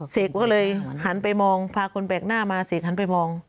เสกก็เลยหันไปมองพาคนแปลกหน้ามาเสกหันไปมอง